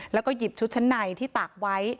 แล้วก็หยิบชุดชั้นในที่ตากไว้